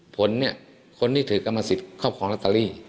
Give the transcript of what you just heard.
ผลคนที่ถือกรรมสิทธิ์ความสุข